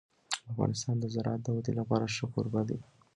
افغانستان د زراعت د ودې لپاره ښه کوربه دی.